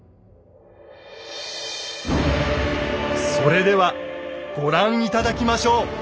それではご覧頂きましょう。